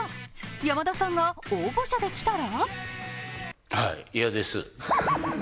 山田さんが応募してきたら？